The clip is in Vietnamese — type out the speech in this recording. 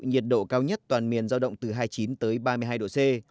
nhiệt độ cao nhất toàn miền giao động từ hai mươi chín ba mươi hai độ c